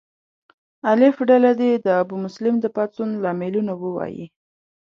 الف ډله دې د ابومسلم د پاڅون لاملونه ووایي.